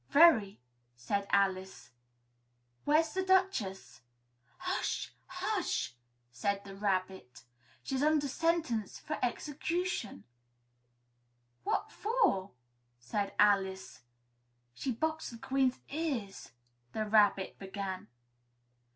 "Very," said Alice. "Where's the Duchess?" "Hush! Hush!" said the Rabbit. "She's under sentence of execution." "What for?" said Alice. "She boxed the Queen's ears " the Rabbit began.